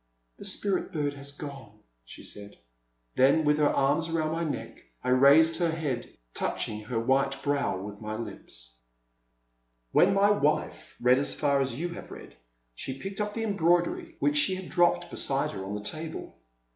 The Spirit bird has gone, she said. Then, with her. arms about my neck, I raised her head, touching her white brow with my lips. *^0 ^^^^^^^^*^^^^^^^^^ When my wife read as far as you have read, she picked up the embroidery which she had dropped beside her on the table.